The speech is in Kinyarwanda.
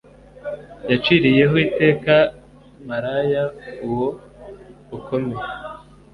Yaciriye ho iteka maraya uwo ukomeye,